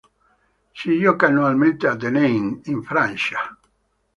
Si gioca annualmente a Denain in Francia.